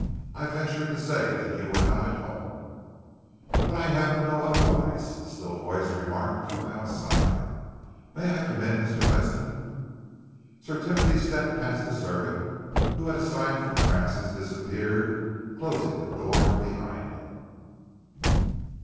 "I ventured to say that you were not at home " "But I happened to know otherwise," a still voice remarked from outside. "May I come in, Mr. Ledsam?" Sir Timothy stepped past the servant, who at a sign from Francis disappeared, closing the door behind him.